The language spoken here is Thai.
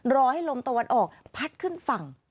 รอให้ลมตะวันออกพัดขึ้นฝั่ง